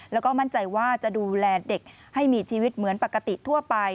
แล้วก็มั่นใจว่าจะดูแลเด็กให้มีชีวิตเหมือนปกติทั่วไป